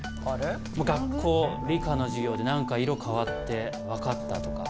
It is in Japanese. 学校理科の授業でなんか色かわってわかったとか。